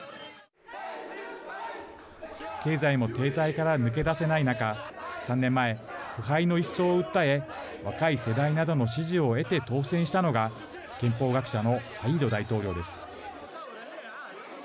経済も停滞から抜け出せない中３年前、腐敗の一掃を訴え若い世代などの支持を得て当選したのが憲法学者のサイード大統領です。